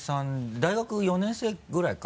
大学４年生ぐらいか？